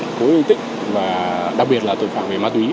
cối hương tích và đặc biệt là tội phạm về ma túy